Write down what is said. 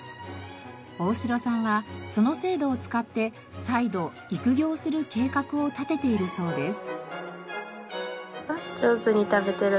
大城さんはその制度を使って再度育業する計画を立てているそうです。